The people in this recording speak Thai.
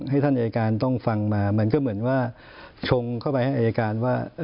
ให้ท่านอายการต้องฟังมามันก็เหมือนว่าชงเข้าไปให้อายการว่า